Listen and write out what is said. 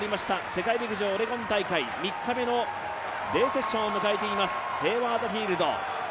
世界陸上オレゴン大会３日目のデイセッションを向かえっています、ヘイワード・フィールド。